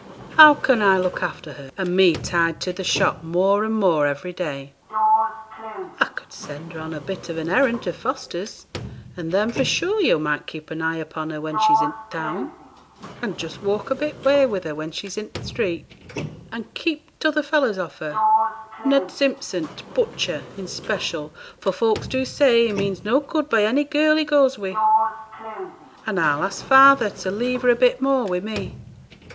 'How can I look after her, and me tied to the shop more and more every day?' 'I could send her on a bit of an errand to Foster's, and then, for sure, yo' might keep an eye upon her when she's in th' town; and just walk a bit way with her when she's in th' street, and keep t' other fellows off her Ned Simpson, t' butcher, in 'special, for folks do say he means no good by any girl he goes wi' and I'll ask father to leave her a bit more wi' me.